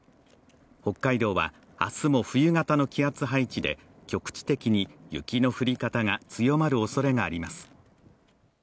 北海道は明日も冬型の気圧配置で局地的に雪の降り方が強まるおそれがあります。